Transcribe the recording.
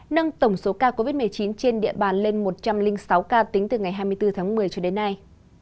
nâng tổng số ca covid một mươi chín trên địa bàn lên một trăm linh sáu ca tính từ ngày hai mươi bốn tháng một mươi cho đến nay